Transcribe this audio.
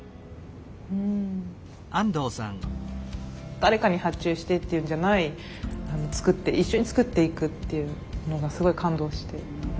誰かに発注してっていうんじゃない一緒に作っていくっていうのがすごい感動して。